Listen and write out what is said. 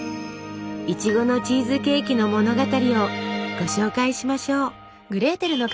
いちごのチーズケーキの物語をご紹介しましょう。